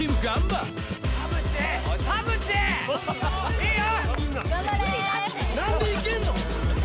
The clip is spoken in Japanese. ・いいよ！